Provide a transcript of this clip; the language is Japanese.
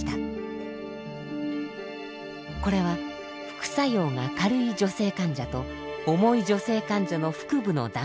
これは副作用が軽い女性患者と重い女性患者の腹部の断面。